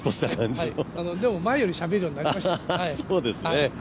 いや、でも前よりしゃべるようになりましたね。